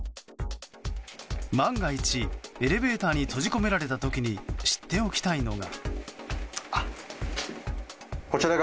万が一、エレベーターに閉じ込められた時に知っておきたいのが。